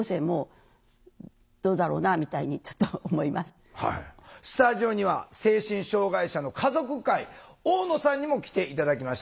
例えばスタジオには精神障害者の家族会大野さんにも来て頂きました。